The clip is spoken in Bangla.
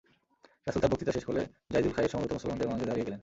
রাসুল তার বক্তৃতা শেষ করলে যাইদুল খাইর সমবেত মুসলমানদের মাঝে দাঁড়িয়ে গেলেন।